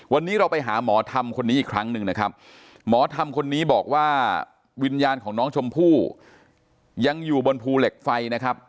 วันนี้เราไปหาหมอธรรมคนนี้อีกครั้งหนึ่งนะครับหมอธรรมคนนี้บอกว่าวิญญาณของน้องชมพู่ยังอยู่บนภูเหล็กไฟนะครับ